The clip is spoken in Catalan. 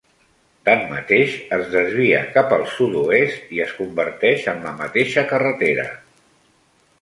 Tanmateix, es desvia cap al sud-oest i es converteix en la mateixa carretera.